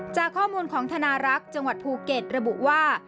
จากข้อมูลของธนารักษ์จังหวัดภูเก็ตระบุว่า